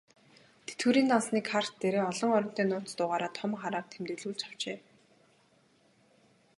Тэтгэврийн дансны карт дээрээ олон оронтой нууц дугаараа том хараар тэмдэглүүлж авчээ.